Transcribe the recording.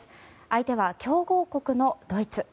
相手は強豪国のドイツ。